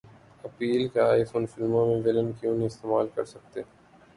apple کے iPhone فلموں میں ولن کیوں نہیں استعمال کرسکتے